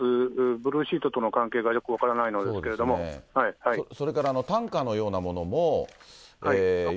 ブルーシートとの関係がよく分からないのですけれども、それから担架のようなものも用意されているんですね。